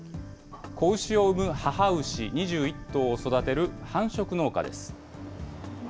子牛を産む母牛２１頭を育てる繁殖農家です。